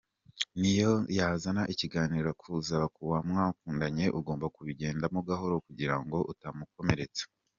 Niyo yazana ikiganiro akubaza kuwo mwakundanye ugomba kubigendamo gahoro kugira ngo utamukomeretsa.